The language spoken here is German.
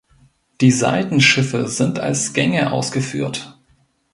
Die Seitenschiffe sind als Gänge ausgeführt.